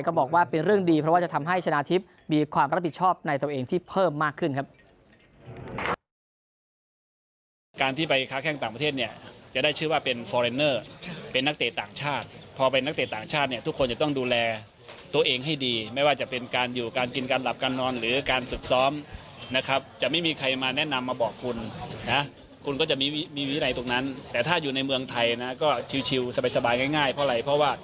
บอกว่าเป็นเรื่องดีเพราะว่าจะทำให้ชนะทิพย์มีความรับผิดชอบในตัวเองที่เพิ่มมากขึ้นครับ